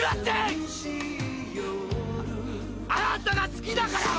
「あなたが好きだから！」